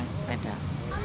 orang tua yang mengantar